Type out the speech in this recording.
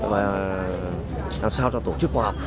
và làm sao cho tổ chức họ